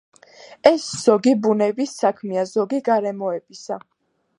ეს ზოგი ბუნების საქმეა, ზოგი გარემოებისა.